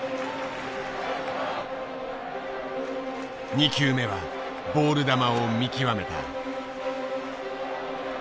２球目はボール球を見極めた。